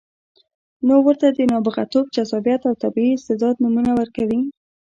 نور ورته د نابغتوب، جذابیت او طبیعي استعداد نومونه ورکوي.